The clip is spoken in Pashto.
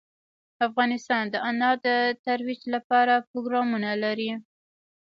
افغانستان د انار د ترویج لپاره پروګرامونه لري.